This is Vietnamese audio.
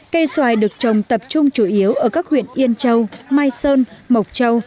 cây xoài được trồng tập trung chủ yếu ở các huyện yên châu mai sơn mộc châu